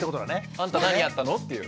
「あんた何やったの？」っていう。